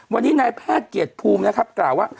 วันนี้นายแพทย์เกียรติภูมินะครับกล่าวว่า